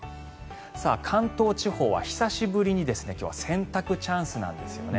関東地方は久しぶりに今日は洗濯チャンスなんですよね。